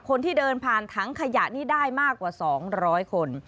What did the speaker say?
คนที่เดินผ่านถังขยะนี่ได้มากกว่า๒๐๐คน